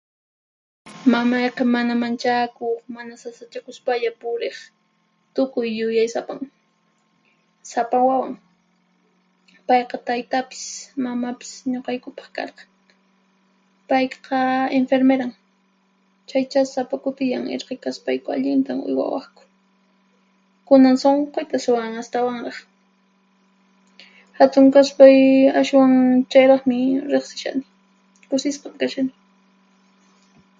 Mamayqa mana manchakuq, mana sasachakuspalla puriq, tukuy yuyaysapan. Sapa wawan. Payqa taytapis mamapis ñuqaykupaq karqan. Payqa enfermeran, chaychá sapa kutillan irqi kaspayku allinta uywawaqku. Kunan sunquyta suwan astawanraq. Hatun kaspay ashwan chayraqmi riqsishani; kusisqan kashani.